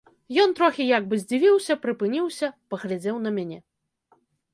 Ён трохі як бы здзівіўся, прыпыніўся, паглядзеў на мяне.